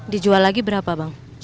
dijual lagi berapa bang